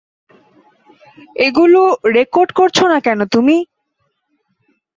এগুলো রেকর্ড করছ না কেন তুমি?